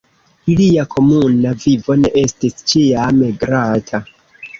Ilia komuna vivo ne estis ĉiam glata.